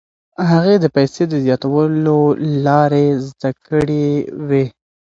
هغې د پیسو د زیاتولو لارې زده کړې وې.